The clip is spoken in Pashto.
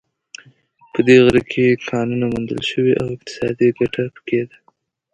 په دې غره کې کانونو موندل شوې او اقتصادي ګټه په کې ده